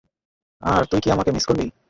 আর তুই কী আমাকে মিস করবি?